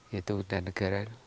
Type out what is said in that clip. yaitu hutan negara